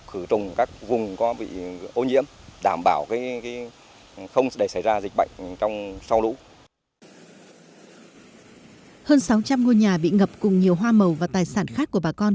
hơn sáu trăm linh ngôi nhà bị ngập cùng nhiều hoa màu và tài sản khác của bà con